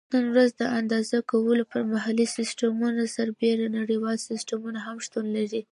نن ورځ د اندازه کولو پر محلي سیسټمونو سربیره نړیوال سیسټمونه هم شتون لري.